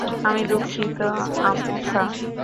আমি দুঃখিত, আমুথা।